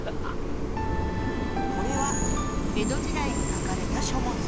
これは江戸時代に書かれた書物。